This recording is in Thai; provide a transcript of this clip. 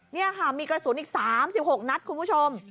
นี่ค่ะมีกระสุนอีก๓๖นัดคุณผู้ชม